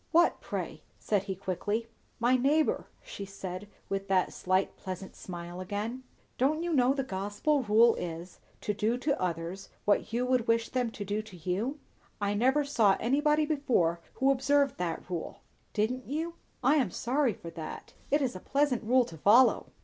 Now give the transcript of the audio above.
"What, pray?" said he quickly. "My neighbour," she said with that slight, pleasant smile again. "Don't you know the gospel rule is, to do to others what you would wish them to do to you?" "I never saw anybody before who observed that rule." "Didn't you? I am sorry for that. It is a pleasant rule to follow."